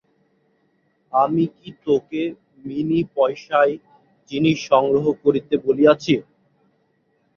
আমি কি তোকে মিনি পয়সায় জিনিস সংগ্রহ করিতে বলিয়াছি?